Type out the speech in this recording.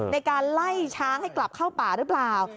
ในการไล่ช้างให้กลับเข้าป่าหรือเปล่า